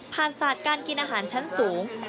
ศาสตร์การกินอาหารชั้นสูง